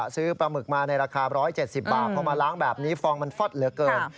ซื้อปลาหมึกมาในราคา๑๗๐บาทพอมาล้างแบบนี้ฟองมันฟอดเหลือเกิน